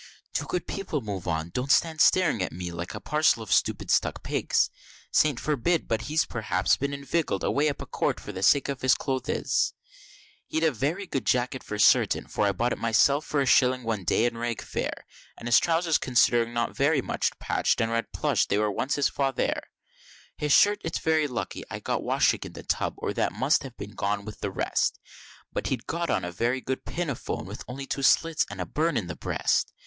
Do, good people, move on! don't stand staring at me like a parcel of stupid stuck pigs; Saints forbid! but he's p'r'aps been inviggled away up a court for the sake of his clothes He'd a very good jacket, for certain, for I bought it myself for a shilling one day in Rag Fair; And his trowsers considering not very much patch'd, and red plush, they was once his Father' His shirt, it's very lucky I'd got washing in the tub, or that might have gone with the rest But he'd got on a very good pinafore with only two slits and a burn on the breast.